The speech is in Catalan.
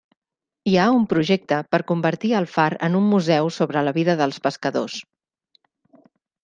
Hi ha un projecte per a convertir el far en un museu sobre la vida dels pescadors.